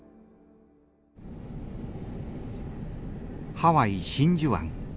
ハワイ真珠湾。